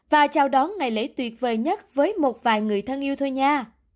và chào đón ngày lễ tuyệt vời nhất với một vài người thân yêu thôi nha